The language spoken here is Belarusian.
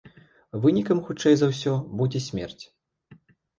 Вынікам хутчэй за ўсё будзе смерць.